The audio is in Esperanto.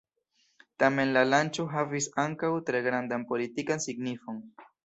Tamen la lanĉo havis ankaŭ tre grandan politikan signifon.